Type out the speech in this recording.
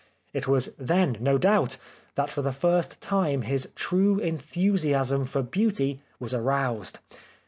It was then, no doubt, that for the first time his true enthusi asm for Beauty was aroused.